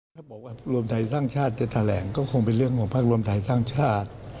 ถ้าบอกว่ารวมไทยสร้างชาติจะแถลงก็คงเป็นเรื่องของภาครวมไทยสร้างชาติ